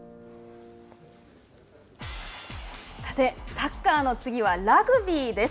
サッカーの次はラグビーです。